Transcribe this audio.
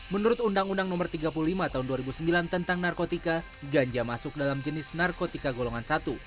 menurut undang undang no tiga puluh lima tahun dua ribu sembilan tentang narkotika ganja masuk dalam jenis narkotika golongan satu